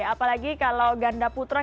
apalagi kalau ganda putra